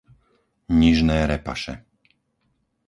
Nižné Repaše